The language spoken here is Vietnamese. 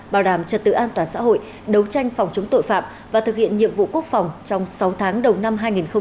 bảo đảm trật tự an toàn xã hội đấu tranh phòng chống tội phạm và thực hiện nhiệm vụ quốc phòng trong sáu tháng đầu năm hai nghìn hai mươi